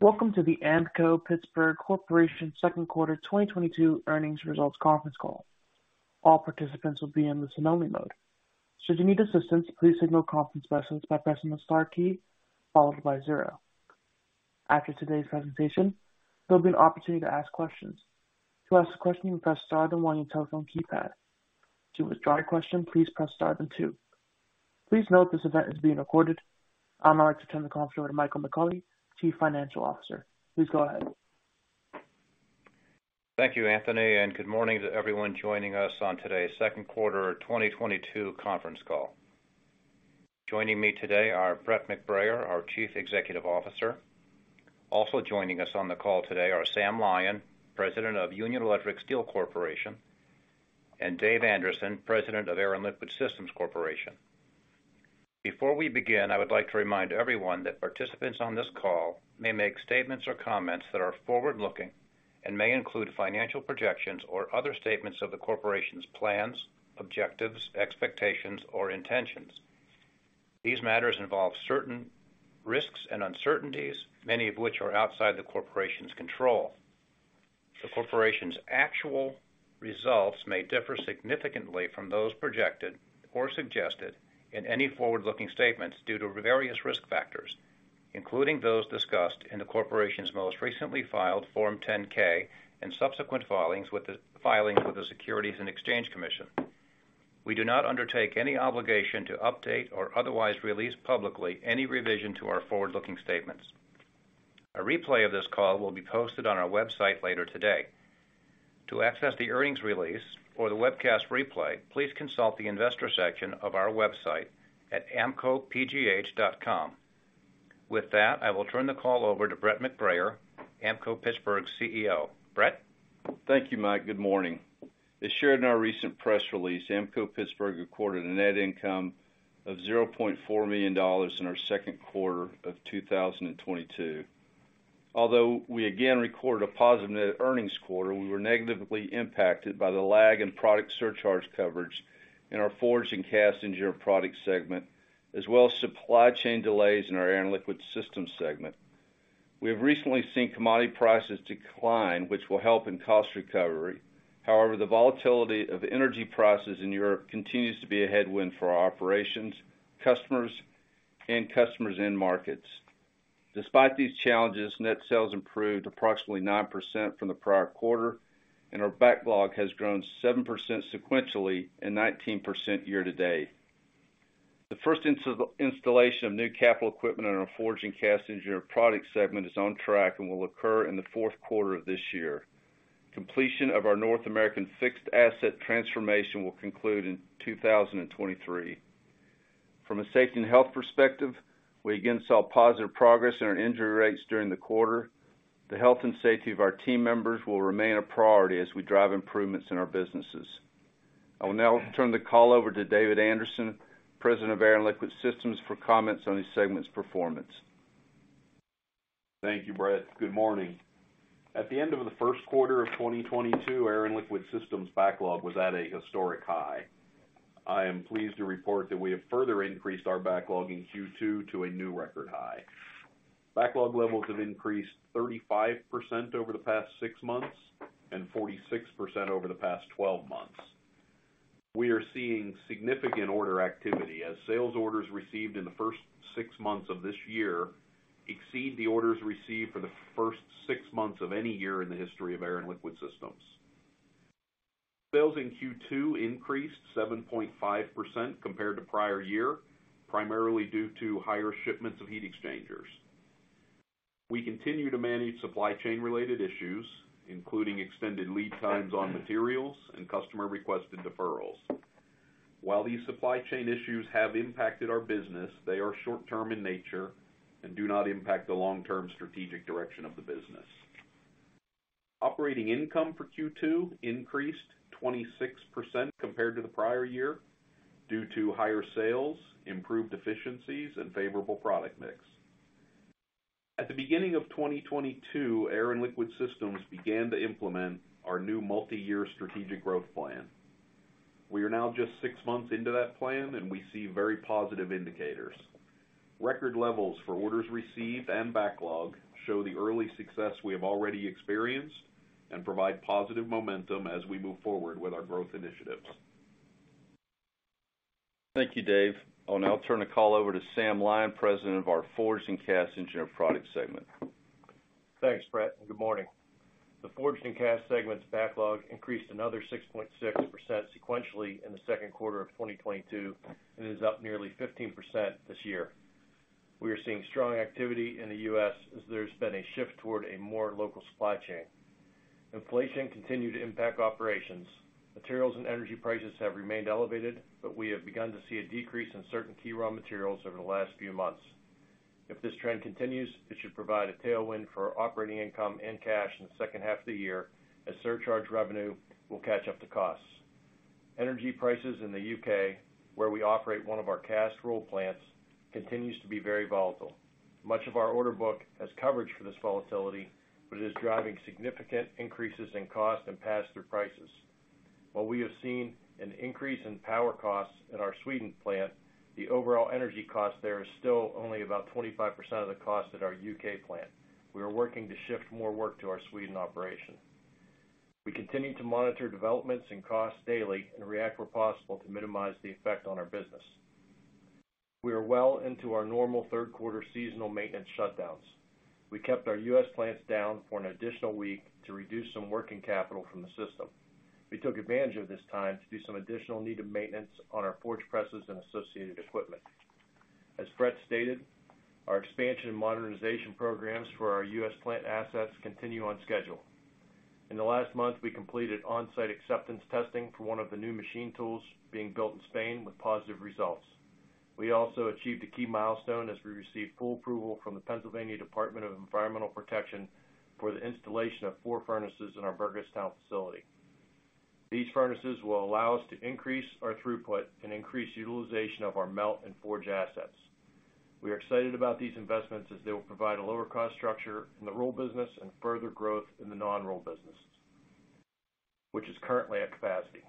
Welcome to the Ampco-Pittsburgh Corporation Second Quarter 2022 Earnings Results Conference Call. All participants will be in listen-only mode. Should you need assistance, please contact the conference operator by pressing the star key followed by zero. After today's presentation, there'll be an opportunity to ask questions. To ask a question, press star then one on your telephone keypad. To withdraw your question, please press star then two. Please note this event is being recorded. I'd like to turn the call over to Michael McAuley, Chief Financial Officer. Please go ahead. Thank you, Anthony, and good morning to everyone joining us on today's second quarter 2022 conference call. Joining me today are Brett McBrayer, our Chief Executive Officer. Also joining us on the call today are Sam Lyon, President of Union Electric Steel Corporation, and Dave Anderson, President of Air and Liquid Systems Corporation. Before we begin, I would like to remind everyone that participants on this call may make statements or comments that are forward-looking and may include financial projections or other statements of the corporation's plans, objectives, expectations, or intentions. These matters involve certain risks and uncertainties, many of which are outside the corporation's control. The corporation's actual results may differ significantly from those projected or suggested in any forward-looking statements due to various risk factors, including those discussed in the corporation's most recently filed Form 10-K and subsequent filings with the Securities and Exchange Commission. We do not undertake any obligation to update or otherwise release publicly any revision to our forward-looking statements. A replay of this call will be posted on our website later today. To access the earnings release or the webcast replay, please consult the investor section of our website at ampcopgh.com. With that, I will turn the call over to Brett McBrayer, Ampco-Pittsburgh's CEO. Brett? Thank you, Mike. Good morning. As shared in our recent press release, Ampco-Pittsburgh recorded a net income of $0.4 million in our second quarter of 2022. Although we again recorded a positive net earnings quarter, we were negatively impacted by the lag in product surcharge coverage in our forged and cast engineered product segment, as well as supply chain delays in our Air and Liquid Processing segment. We have recently seen commodity prices decline, which will help in cost recovery. However, the volatility of energy prices in Europe continues to be a headwind for our operations, customers, and customers' end markets. Despite these challenges, net sales improved approximately 9% from the prior quarter, and our backlog has grown 7% sequentially and 19% year to date. The first installation of new capital equipment in our forged and cast engineered product segment is on track and will occur in the fourth quarter of this year. Completion of our North American fixed asset transformation will conclude in 2023. From a safety and health perspective, we again saw positive progress in our injury rates during the quarter. The health and safety of our team members will remain a priority as we drive improvements in our businesses. I will now turn the call over to David Anderson, President of Air and Liquid Systems, for comments on his segment's performance. Thank you, Brett. Good morning. At the end of the first quarter of 2022, Air & Liquid Systems backlog was at a historic high. I am pleased to report that we have further increased our backlog in Q2 to a new record high. Backlog levels have increased 35% over the past six months and 46% over the past 12 months. We are seeing significant order activity as sales orders received in the first six months of this year exceed the orders received for the first six months of any year in the history of Air & Liquid Systems. Sales in Q2 increased 7.5% compared to prior year, primarily due to higher shipments of heat exchangers. We continue to manage supply chain related issues, including extended lead times on materials and customer requested deferrals. While these supply chain issues have impacted our business, they are short-term in nature and do not impact the long-term strategic direction of the business. Operating income for Q2 increased 26% compared to the prior year due to higher sales, improved efficiencies, and favorable product mix. At the beginning of 2022, Air & Liquid Systems began to implement our new multi-year strategic growth plan. We are now just six months into that plan, and we see very positive indicators. Record levels for orders received and backlog show the early success we have already experienced and provide positive momentum as we move forward with our growth initiatives. Thank you, Dave. I'll now turn the call over to Sam Lyon, President of our Forged and Cast Engineered Products segment. Thanks, Brett, and good morning. The Forged and Cast segment's backlog increased another 6.6% sequentially in the second quarter of 2022 and is up nearly 15% this year. We are seeing strong activity in the U.S. as there's been a shift toward a more local supply chain. Inflation continued to impact operations. Materials and energy prices have remained elevated, but we have begun to see a decrease in certain key raw materials over the last few months. If this trend continues, it should provide a tailwind for operating income and cash in the second half of the year as surcharge revenue will catch up to costs. Energy prices in the U.K., where we operate one of our cast roll plants, continues to be very volatile. Much of our order book has coverage for this volatility. It is driving significant increases in cost and pass-through prices. While we have seen an increase in power costs at our Sweden plant, the overall energy cost there is still only about 25% of the cost at our U.K. plant. We are working to shift more work to our Sweden operation. We continue to monitor developments in costs daily and react where possible to minimize the effect on our business. We are well into our normal third quarter seasonal maintenance shutdowns. We kept our U.S. plants down for an additional week to reduce some working capital from the system. We took advantage of this time to do some additional needed maintenance on our forge presses and associated equipment. As Brett McBrayer stated, our expansion and modernization programs for our U.S. plant assets continue on schedule. In the last month, we completed on-site acceptance testing for one of the new machine tools being built in Spain with positive results. We also achieved a key milestone as we received full approval from the Pennsylvania Department of Environmental Protection for the installation of four furnaces in our Burgettstown facility. These furnaces will allow us to increase our throughput and increase utilization of our melt and forge assets. We are excited about these investments as they will provide a lower cost structure in the roll business and further growth in the non-roll business, which is currently at capacity.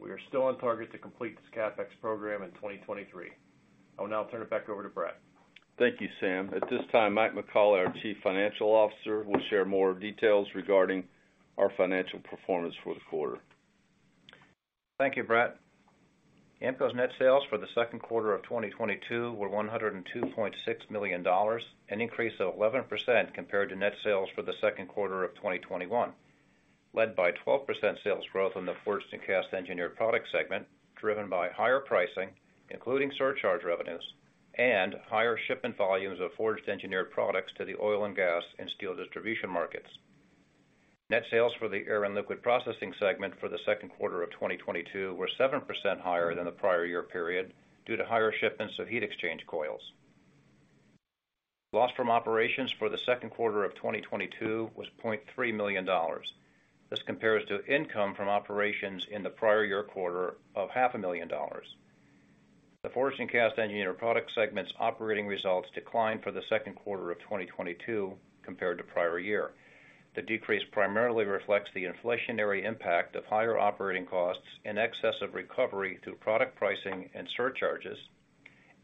We are still on target to complete this CapEx program in 2023. I will now turn it back over to Brett. Thank you, Sam. At this time, Mike McAuley, our Chief Financial Officer, will share more details regarding our financial performance for the quarter. Thank you, Brett. Ampco's net sales for the second quarter of 2022 were $102.6 million, an increase of 11% compared to net sales for the second quarter of 2021, led by 12% sales growth in the Forged Engineered Products segment, driven by higher pricing, including surcharge revenues and higher shipment volumes of forged engineered products to the oil and gas and steel distribution markets. Net sales for the Air & Liquid Processing segment for the second quarter of 2022 were 7% higher than the prior year period due to higher shipments of heat exchange coils. Loss from operations for the second quarter of 2022 was $0.3 million. This compares to income from operations in the prior year quarter of $500,000. The Forged and Cast Engineered Product segment's operating results declined for the second quarter of 2022 compared to prior year. The decrease primarily reflects the inflationary impact of higher operating costs in excess of recovery through product pricing and surcharges,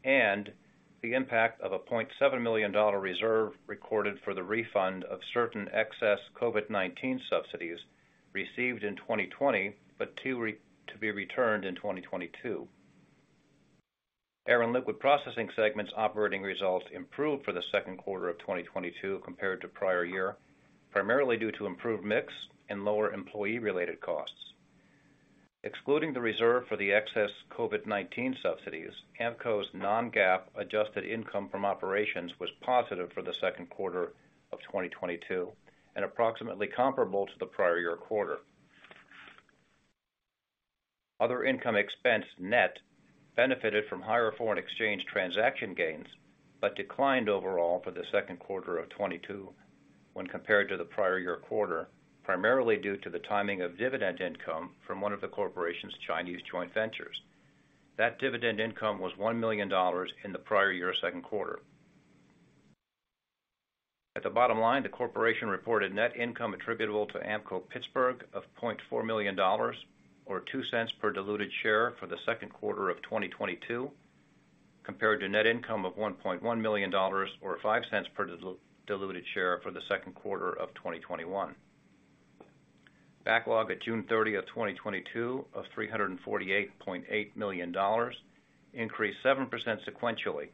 and the impact of a $0.7 million reserve recorded for the refund of certain excess COVID-19 subsidies received in 2020, but to be returned in 2022. Air & Liquid Processing segment's operating results improved for the second quarter of 2022 compared to prior year, primarily due to improved mix and lower employee-related costs. Excluding the reserve for the excess COVID-19 subsidies, Ampco's non-GAAP adjusted income from operations was positive for the second quarter of 2022 and approximately comparable to the prior year quarter. Other income expense net benefited from higher foreign exchange transaction gains, but declined overall for the second quarter of 2022 when compared to the prior year quarter, primarily due to the timing of dividend income from one of the corporation's Chinese joint ventures. That dividend income was $1 million in the prior year second quarter. At the bottom line, the corporation reported net income attributable to Ampco-Pittsburgh of $0.4 million or $0.02 per diluted share for the second quarter of 2022, compared to net income of $1.1 million or $0.05 per diluted share for the second quarter of 2021. Backlog at June 30, 2022 of $348.8 million increased 7% sequentially,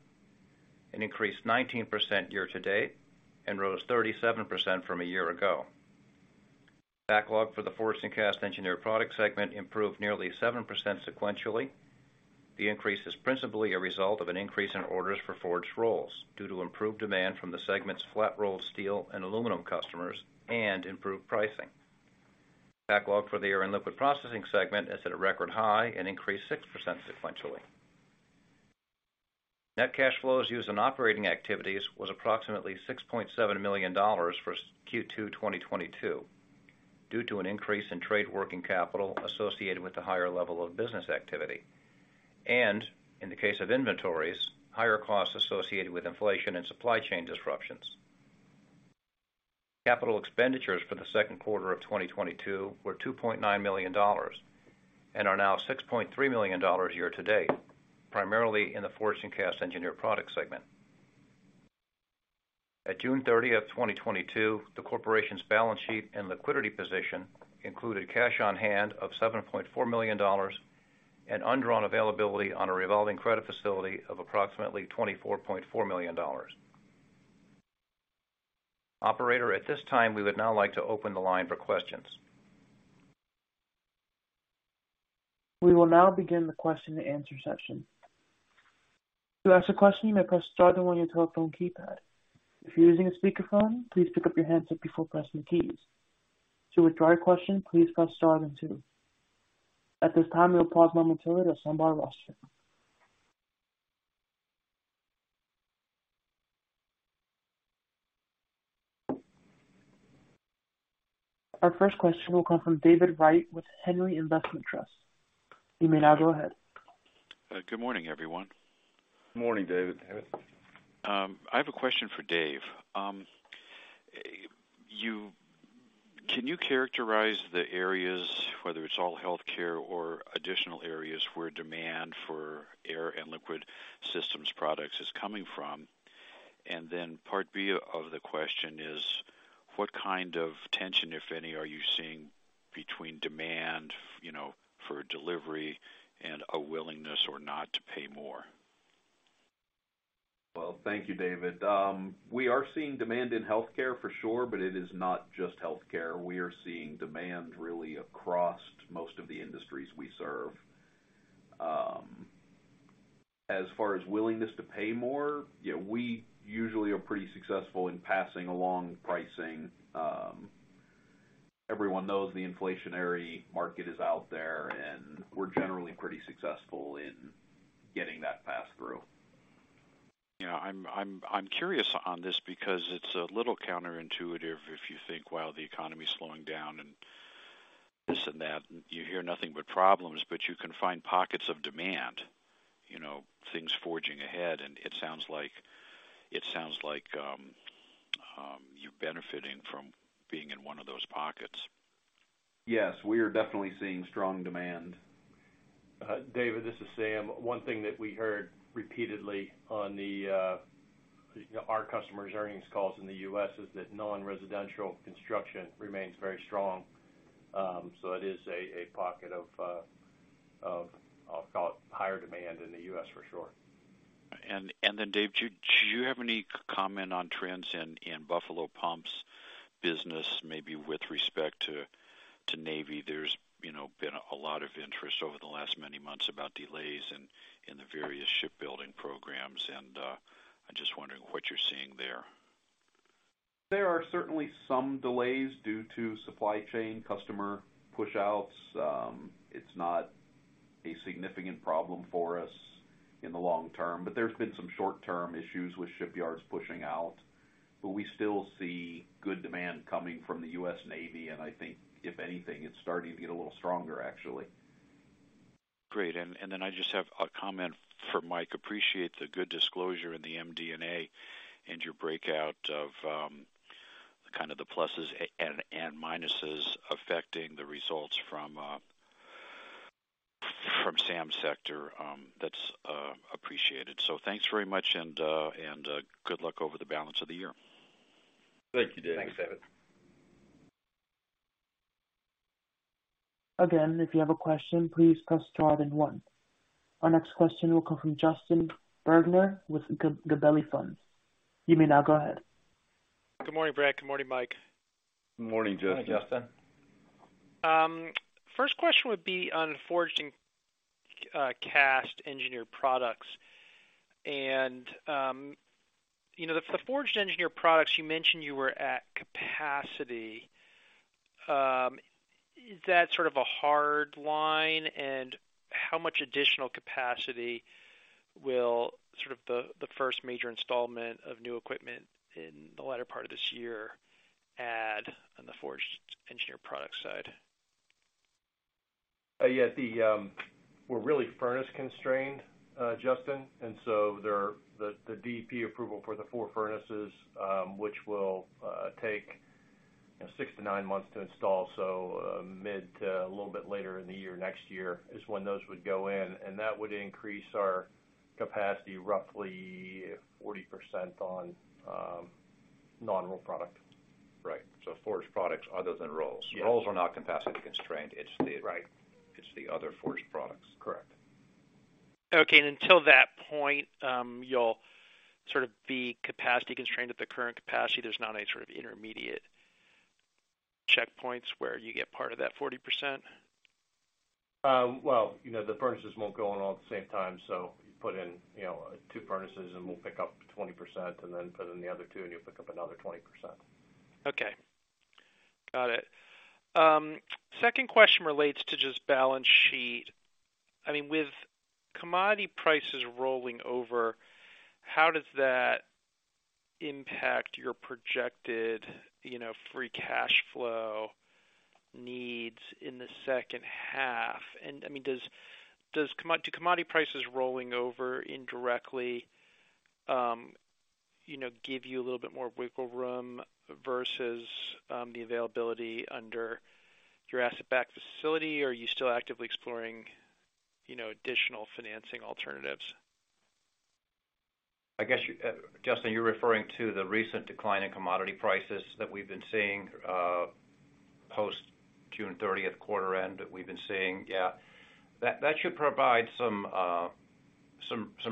and increased 19% year to date, and rose 37% from a year ago. Backlog for the forged and cast engineered product segment improved nearly 7% sequentially. The increase is principally a result of an increase in orders for forged rolls due to improved demand from the segment's flat-rolled steel and aluminum customers and improved pricing. Backlog for the Air & Liquid Processing segment is at a record high and increased 6% sequentially. Net cash flows used in operating activities was approximately $6.7 million for Q2 2022 due to an increase in trade working capital associated with the higher level of business activity. In the case of inventories, higher costs associated with inflation and supply chain disruptions. Capital expenditures for the second quarter of 2022 were $2.9 million and are now $6.3 million year to date, primarily in the forged and cast engineered product segment. At June 30, 2022, the corporation's balance sheet and liquidity position included cash on hand of $7.4 million and undrawn availability on a revolving credit facility of approximately $24.4 million. Operator, at this time, we would now like to open the line for questions. We will now begin the question and answer session. To ask a question, you may press star then one on your telephone keypad. If you're using a speakerphone, please pick up your handset before pressing keys. To withdraw your question, please press star then two. At this time, we will pause momentarily to assemble our roster. Our first question will come from David Wright with Henry Investment Trust. You may now go ahead. Good morning, everyone. Morning, David. I have a question for Dave. Can you characterize the areas, whether it's all healthcare or additional areas where demand for Air & Liquid Systems products is coming from? Part B of the question is what kind of tension, if any, are you seeing between demand, you know, for delivery and a willingness or not to pay more? Well, thank you, David. We are seeing demand in healthcare for sure, but it is not just healthcare. We are seeing demand really across most of the industries we serve. As far as willingness to pay more, yeah, we usually are pretty successful in passing along pricing. Everyone knows the inflationary market is out there, and we're generally pretty successful in getting that pass through. Yeah. I'm curious on this because it's a little counterintuitive if you think, well, the economy is slowing down and this and that, you hear nothing but problems, but you can find pockets of demand, you know, things forging ahead. It sounds like you're benefiting from being in one of those pockets. Yes, we are definitely seeing strong demand. David, this is Sam. One thing that we heard repeatedly on their customers' earnings calls in the U.S. is that non-residential construction remains very strong. It is a pocket of, I'll call it, higher demand in the U.S. for sure. David, do you have any comment on trends in Buffalo Pumps's business, maybe with respect to Navy? There's, you know, been a lot of interest over the last many months about delays in the various shipbuilding programs, and I'm just wondering what you're seeing there. There are certainly some delays due to supply chain customer pushouts. It's not a significant problem for us in the long term, but there's been some short-term issues with shipyards pushing out. We still see good demand coming from the U.S. Navy, and I think if anything, it's starting to get a little stronger, actually. Great. I just have a comment for Mike. Appreciate the good disclosure in the MD&A and your breakout of kind of the pluses and minuses affecting the results from Sam's sector. That's appreciated. Thanks very much and good luck over the balance of the year. Thank you, David. Thanks, David. Again, if you have a question, please press star then one. Our next question will come from Justin Bergner with Gabelli Funds. You may now go ahead. Good morning, Brett. Good morning, Michael. Good morning, Justin. Morning, Justin. First question would be on forged and cast engineered products. You know, the forged engineered products you mentioned you were at capacity. Is that sort of a hard line? How much additional capacity will sort of the first major installation of new equipment in the latter part of this year add on the forged engineered product side? Yeah. We're really furnace constrained, Justin. The DEP approval for the four furnaces, which will take six to nine months to install. Mid to a little bit later in the year, next year is when those would go in, and that would increase our capacity roughly 40% on non-roll product. Right. Forged products other than rolls. Yes. Rolls are not capacity constrained. Right. It's the other forged products. Correct. Okay. Until that point, you'll sort of be capacity constrained at the current capacity. There's not any sort of intermediate checkpoints where you get part of that 40%? Well, you know, the furnaces won't go on all at the same time, so you put in, you know, two furnaces, and we'll pick up 20%, and then put in the other two, and you'll pick up another 20%. Okay. Got it. Second question relates to just balance sheet. I mean, with commodity prices rolling over, how does that impact your projected, you know, free cash flow needs in the second half? I mean, does commodity prices rolling over indirectly, you know, give you a little bit more wiggle room versus the availability under your asset-backed facility? Or are you still actively exploring, you know, additional financing alternatives? I guess you, Justin, you're referring to the recent decline in commodity prices that we've been seeing post-June 30th quarter end that we've been seeing. Yeah. That should provide some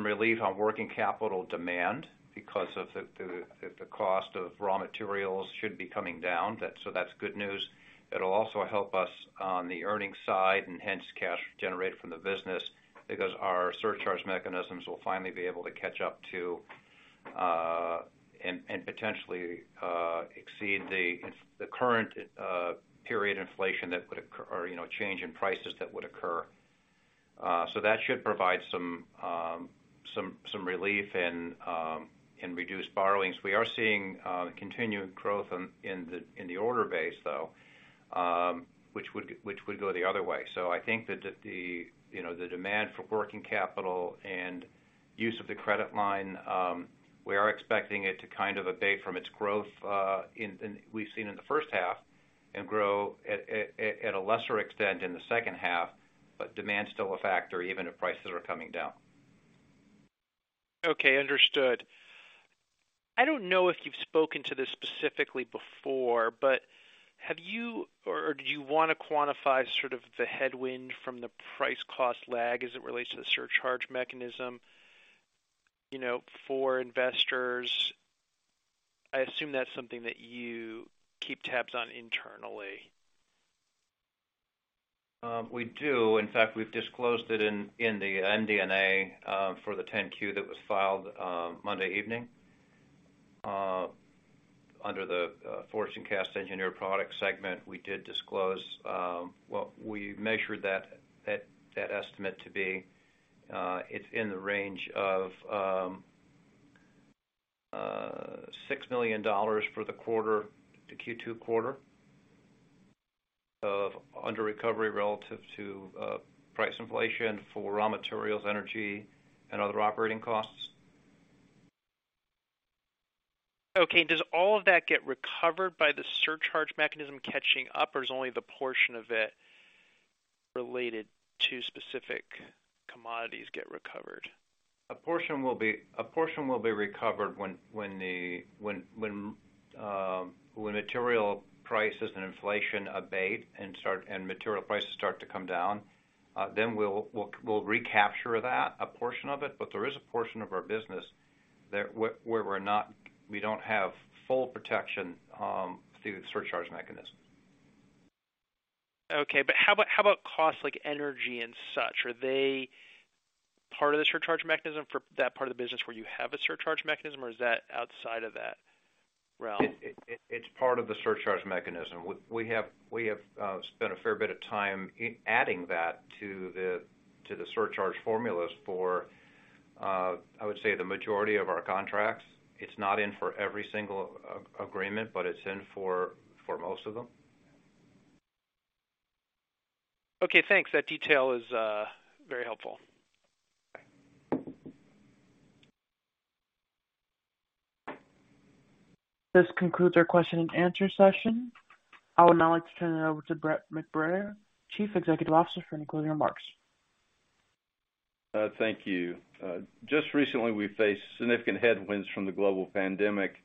relief on working capital demand because of the cost of raw materials should be coming down. So that's good news. It'll also help us on the earnings side and hence cash generated from the business because our surcharge mechanisms will finally be able to catch up to and potentially exceed the current period inflation that would occur or, you know, change in prices that would occur. That should provide some relief and reduced borrowings. We are seeing continued growth in the order base, though, which would go the other way. I think that the, you know, the demand for working capital and use of the credit line, we are expecting it to kind of abate from its growth we've seen in the first half and grow at a lesser extent in the second half. Demand is still a factor even if prices are coming down. Okay, understood. I don't know if you've spoken to this specifically before, but have you or do you wanna quantify sort of the headwind from the price cost lag as it relates to the surcharge mechanism, you know, for investors? I assume that's something that you keep tabs on internally. We do. In fact, we've disclosed it in the MD&A for the Form 10-Q that was filed Monday evening. Under the forged and cast engineered products segment, we did disclose, well, we measured that estimate to be, it's in the range of $6 million for the quarter, the Q2 quarter of under recovery relative to price inflation for raw materials, energy, and other operating costs. Okay. Does all of that get recovered by the surcharge mechanism catching up, or is only the portion of it related to specific commodities get recovered? A portion will be recovered when material prices and inflation abate and material prices start to come down, then we'll recapture that, a portion of it. There is a portion of our business where we don't have full protection through the surcharge mechanism. Okay, how about costs like energy and such? Are they part of the surcharge mechanism for that part of the business where you have a surcharge mechanism, or is that outside of that realm? It's part of the surcharge mechanism. We have spent a fair bit of time adding that to the surcharge formulas for, I would say the majority of our contracts. It's not in for every single agreement, but it's in for most of them. Okay, thanks. That detail is very helpful. Okay. This concludes our question and answer session. I would now like to turn it over to Brett McBrayer, Chief Executive Officer, for any closing remarks. Thank you. Just recently, we faced significant headwinds from the global pandemic.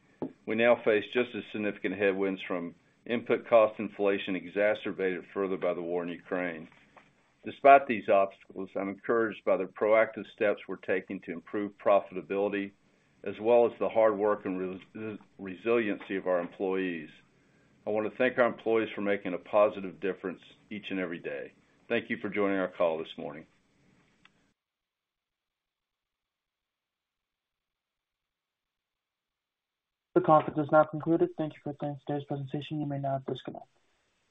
We now face just as significant headwinds from input cost inflation, exacerbated further by the war in Ukraine. Despite these obstacles, I'm encouraged by the proactive steps we're taking to improve profitability, as well as the hard work and resiliency of our employees. I wanna thank our employees for making a positive difference each and every day. Thank you for joining our call this morning. The conference is now concluded. Thank you for attending today's presentation. You may now disconnect.